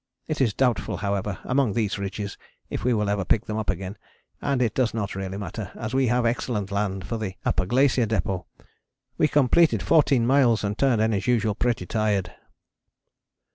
It is doubtful, however, among these ridges, if we will ever pick them up again, and it does not really matter, as we have excellent land for the Upper Glacier Depôt. We completed fourteen miles and turned in as usual pretty tired.